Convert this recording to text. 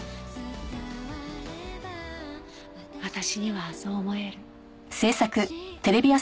私にはそう思える。